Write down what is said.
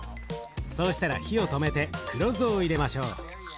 そうしたら火を止めて黒酢を入れましょう。